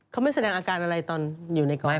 เขาไม่แสดงอาการอะไรตอนอยู่ในก๊อฟ